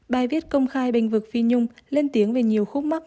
bài viết công khai bình vực phi nhung lên tiếng về nhiều khúc mắc